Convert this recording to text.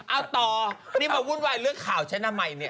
เอาต่อนี่มาวุ่นวายเรื่องข่าวชั้นอนามัยเนี่ย